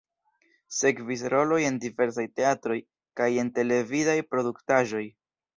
Sekvis roloj en diversaj teatroj kaj en televidaj produktaĵoj.